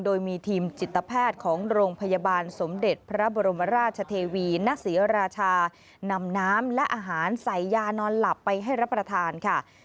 โดยมีทีมจิตแพทย์ของโรงพยาบาลสมเด็จพระบรมราชเทวีณศรีราชานำน้ำและอาหารใส่ยานอนหลับไปให้รับประทานค่ะ